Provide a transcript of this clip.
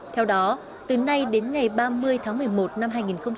theo đó từ nay đến ngày ba mươi tháng một mươi một năm hai nghìn một mươi năm